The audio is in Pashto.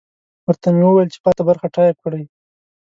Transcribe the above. ورته مې وویل چې پاته برخه ټایپ کړي.